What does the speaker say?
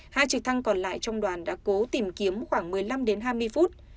hai trực thăng còn lại trong đoàn đã cố tìm kiếm khoảng một mươi năm đến hai mươi phút